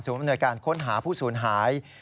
สูงบรรยาการค้นหาผู้ศูนย์หาย